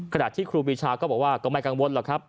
ขณะที่ครูปีชาก็บอกว่าก็ไม่กังวลหรอกครับ